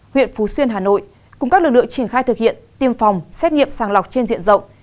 huyện phú xuyên hà nội cùng các lực lượng triển khai thực hiện tiêm phòng xét nghiệm sàng lọc trên diện rộng